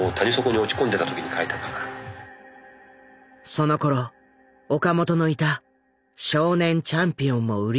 そのころ岡本のいた「少年チャンピオン」も売り上げが低迷。